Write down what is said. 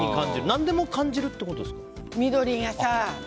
何でも感じるってことですか？